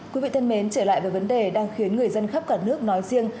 quý vị thân mến trở lại về vấn đề đang khiến người dân khắp cả nước nói riêng